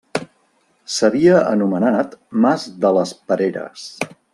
S'havia anomenat Mas de les Pereres.